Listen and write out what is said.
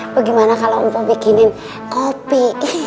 bagaimana kalau empo bikinin kopi